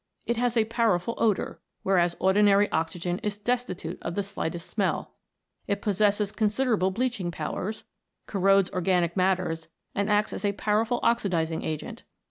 It has a powerful odour, whereas ordinary oxygen is destitute of the slightest smell. It possesses considerable bleaching powers, corrodes organic matters, and acts as a powerful oxidizing agent.